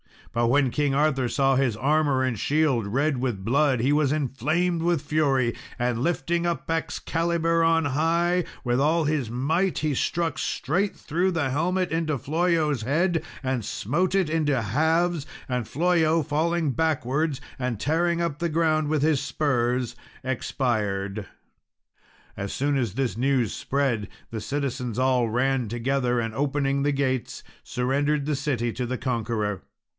But when King Arthur saw his armour and shield red with blood, he was inflamed with fury, and lifting up Excalibur on high, with all his might, he struck straight through the helmet into Flollo's head, and smote it into halves; and Flollo falling backwards, and tearing up the ground with his spurs, expired. As soon as this news spread, the citizens all ran together, and, opening the gates, surrendered the city to the conqueror.